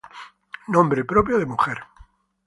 Nombre propio de mujer.